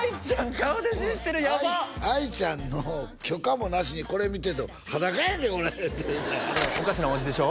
顔出ししてるやばっあいちゃんの許可もなしにこれ見てと「裸やんけこれ！」って言うたんやおかしな伯父でしょ？